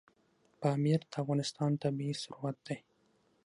پامیر د افغانستان طبعي ثروت دی.